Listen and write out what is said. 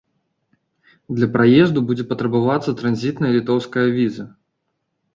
Для праезду будзе патрабавацца транзітная літоўская віза.